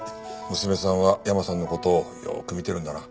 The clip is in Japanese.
娘さんはヤマさんの事をよく見てるんだな。